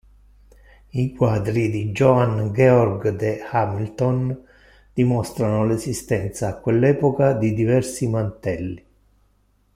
I quadri di Johann Georg de Hamilton dimostrano l'esistenza a quell'epoca di diversi mantelli.